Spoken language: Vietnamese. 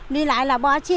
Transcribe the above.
đi lại là bỏ chi